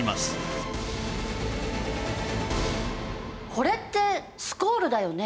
これってスコールだよね？